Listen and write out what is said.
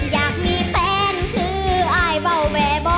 อยากมีแฟนคืออายเบาแวร์บ่